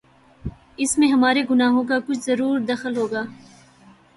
اس میں ہمارے گناہوں کا کچھ ضرور دخل ہو گا۔